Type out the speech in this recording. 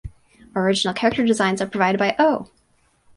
Original character designs are provided by Oh!